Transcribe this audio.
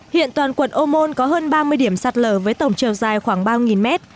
hiện toàn quận ô môn có hơn ba mươi điểm sạt lở với tổng chiều dài khoảng ba mét